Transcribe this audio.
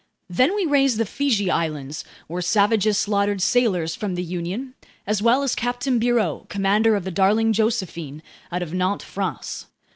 Then we raised the Fiji Islands, where savages slaughtered sailors from the Union, as well as Captain Bureau, commander of the Darling Josephine out of Nantes, France.